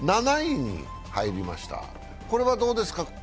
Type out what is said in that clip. ７位に入りました、これはどうですか？